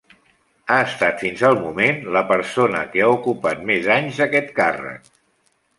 Ha estat fins al moment la persona que ha ocupat més anys aquest càrrec.